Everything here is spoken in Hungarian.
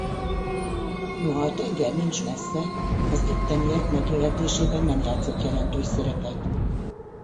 Noha a tenger nincs messze az itteniek megélhetésében nem játszott jelentős szerepet.